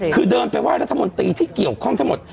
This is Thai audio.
คือเดินไปไห้รัฐมนตรีที่เกี่ยวข้องทั้งหมด